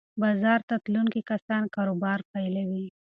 بازار ته تلونکي کسان کاروبار پیلوي.